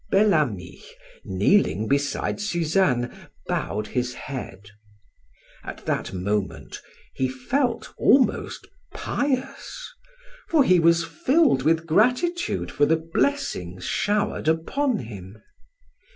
Bel Ami, kneeling beside Suzanne, bowed his head. At that moment he felt almost pious, for he was filled with gratitude for the blessings showered upon him.